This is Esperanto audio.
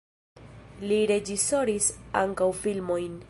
Li reĝisoris ankaŭ filmojn.